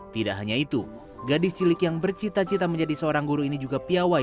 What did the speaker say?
tidak hanya itu gadis cilik yang bercita cita menjadi seorang guru ini juga piawai